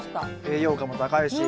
栄養価も高いし。